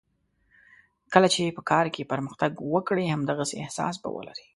کله چې په کار کې پرمختګ وکړې همدغسې احساس به ولرې.